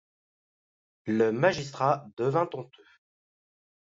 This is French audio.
Le magistrat devint honteux.